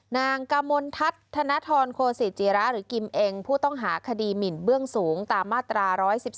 นางกมลทัศน์ธนทรโคศิจิระหรือกิมเองผู้ต้องหาคดีหมินเบื้องสูงตามมาตรา๑๑๒